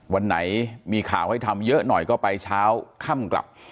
วันไหนมีข่าวให้ทำเยอะหน่อยก็ไปเช้าค่ำกลับ